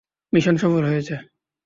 Mission সফল হয়েছে।